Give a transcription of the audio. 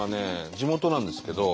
地元なんですけど。